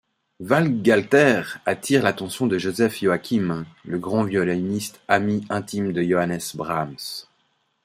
Waghalter attire l'attention de Joseph Joachim, le grand violoniste, ami intime de Johannes Brahms.